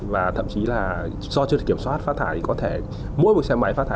và thậm chí là do chưa thể kiểm soát phát thải thì có thể mỗi một xe máy phát thải